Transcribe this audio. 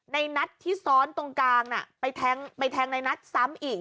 ในนัดที่ซ้อนตรงกลางน่ะไปแทงในนัทซ้ำอีก